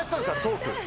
トーク